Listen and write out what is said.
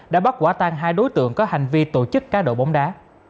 đã bắt quả tan hai đối tượng có hành vi tổ chức cá độ bóng đá